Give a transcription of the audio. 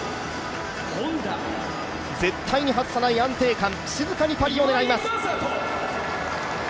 絶対に外さない安定感、静かにパリを狙います。